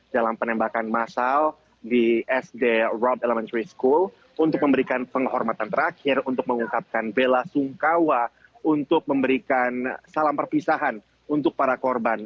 dalam penembakan masal di sd rob elementary school untuk memberikan penghormatan terakhir untuk mengungkapkan bela sungkawa untuk memberikan salam perpisahan untuk para korban